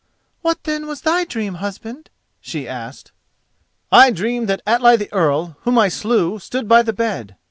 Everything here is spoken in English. "What, then, was thy dream, husband?" she asked. "I dreamed that Atli the Earl, whom I slew, stood by the bed.